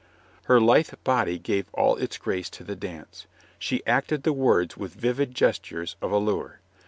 Her lithe body gave all its grace to the dance. She acted the words with vivid gestures of allure.